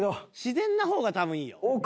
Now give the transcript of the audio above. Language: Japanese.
自然な方が多分いいよ。